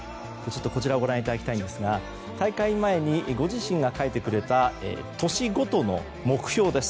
こちらをご覧いただきたいんですが大会前にご自身が書いてくれた年ごとの目標です。